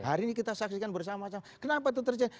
jadi kita harus bersama sama kenapa itu terjadi